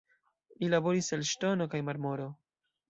Li laboris el ŝtono kaj marmoro.